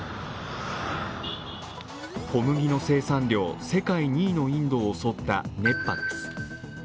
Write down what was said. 小麦の生産量、世界２位のインドを襲った熱波です。